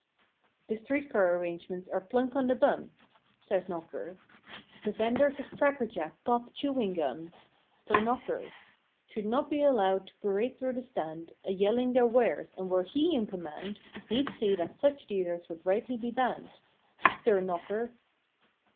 The street car arrangements are plunk on the bum— Says knocker; The venders of cracker jack, pop, chewing gum. Per knocker, Should not be allowed to parade through the stand A yelling their wares; and were he in command He'd see that such dealers would rightly be ban¬ ned— Sir knocker!